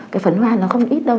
cái phấn hoa nó không ít đâu